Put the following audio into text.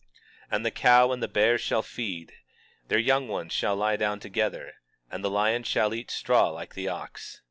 21:7 And the cow and the bear shall feed; their young ones shall lie down together; and the lion shall eat straw like the ox.